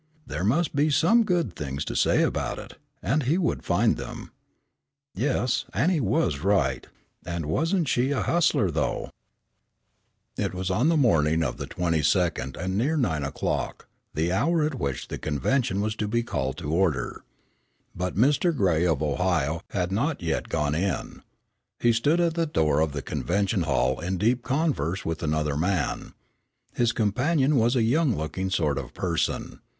There must be some good things to say for it, and he would find them. Yes, Annie was right and wasn't she a hustler though? PART II It was on the morning of the 22d and near nine o'clock, the hour at which the convention was to be called to order. But Mr. Gray of Ohio had not yet gone in. He stood at the door of the convention hall in deep converse with another man. His companion was a young looking sort of person.